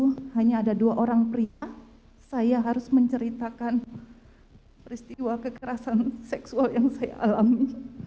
kalau hanya ada dua orang pria saya harus menceritakan peristiwa kekerasan seksual yang saya alami